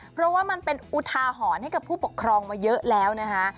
เพราะว่ามันเป็นอุทาหรณ์ให้กับผู้ปกครองมาเยอะแล้วนะคะ